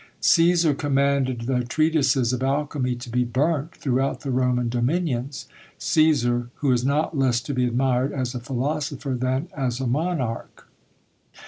Cæsar commanded the treatises of alchymy to be burnt throughout the Roman dominions: Cæsar, who is not less to be admired as a philosopher than as a monarch.